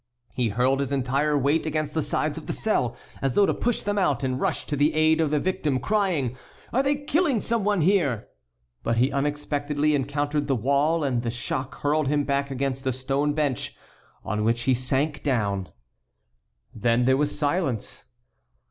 He hurled his entire weight against the sides of the cell as though to push them out and rush to the aid of the victim, crying, "Are they killing some one here?" But he unexpectedly encountered the wall and the shock hurled him back against a stone bench on which he sank down. Then there was silence.